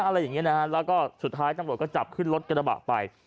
อะไรอย่างนี้นะฮะแล้วก็สุดท้ายตำรวจก็จับขึ้นรถกระบะไป